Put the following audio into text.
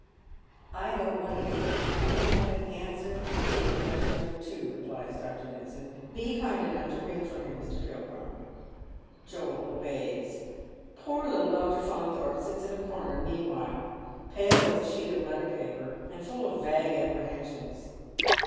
" I don't want an account. I only want an answer to a ques tion or two," replies Dr. IMitsand. " Be kind enough to ring for him, Mr. Pilgrim." Joel obeys. Poor little Dr. Faunthorpe sits in a comer mean while, pale as a sheet of letter p ^per, and full of vague appre hensions.